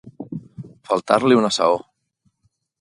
Faltar-li una saó.